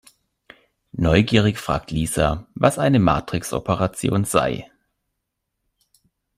Neugierig fragt Lisa, was eine Matrixoperation sei.